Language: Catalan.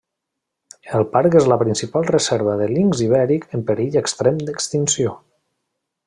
El parc és la principal reserva del linx ibèric en perill extrem d’extinció.